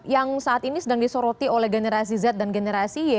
yang saat ini sedang disoroti oleh generasi z dan generasi y